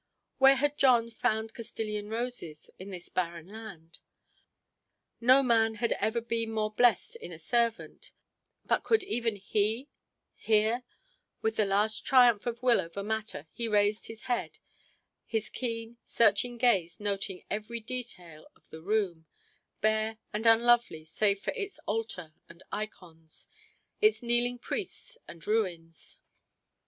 Where had Jon found Castilian roses in this barren land? No man had ever been more blest in a servant, but could even he here With the last triumph of will over matter he raised his head, his keen, searching gaze noting every detail of the room, bare and unlovely save for its altar and ikons, its kneeling priests and nuns.